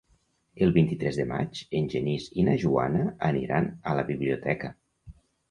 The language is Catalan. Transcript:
El vint-i-tres de maig en Genís i na Joana aniran a la biblioteca.